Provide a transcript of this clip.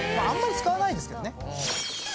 あんまり使わないですけどね。